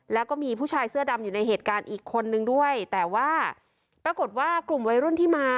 แล้วก็มีผู้ชายเสื้อดำอยู่ในเหตุการณ์อีกคนนึงด้วยแต่ว่าปรากฏว่ากลุ่มวัยรุ่นที่มา